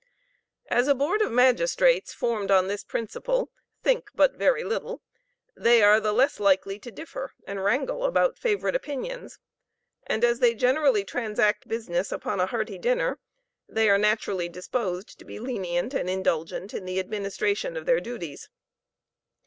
As a board of magistrates, formed on this principle, think but very little, they are the less likely to differ and wrangle about favorite opinions; and, as they generally transact business upon a hearty dinner, they are naturally disposed to be lenient and indulgent in the administration of their duties.